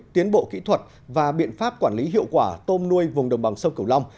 tiến bộ kỹ thuật và biện pháp quản lý hiệu quả tôm nuôi vùng đồng bằng sông cửu long